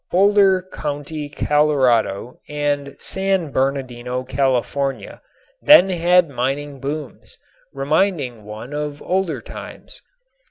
Boulder County, Colorado, and San Bernardino, California, then had mining booms, reminding one of older times.